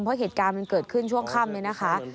เพราะเหตุการณ์มันเกิดขึ้นช่วงค่ำเนี่ยนะคะ